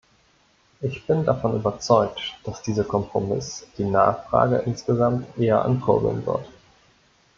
Ich bin davon überzeugt, dass dieser Kompromiss die Nachfrage insgesamt eher ankurbeln wird.